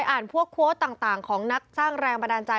พวกโค้ชต่างของนักสร้างแรงบันดาลใจ